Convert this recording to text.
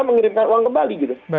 mengirimkan uang kembali gitu